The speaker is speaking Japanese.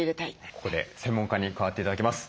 ここで専門家に加わって頂きます。